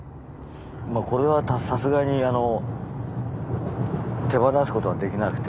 これはさすがに手放す事はできなくて。